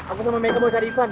aku sama mega mau cari fun